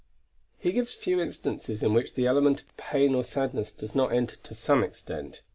He gives few instances in which the element of pain or sadness does not enter to some extent.